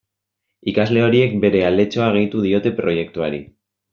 Ikasle horiek bere aletxoa gehitu diote proiektuari.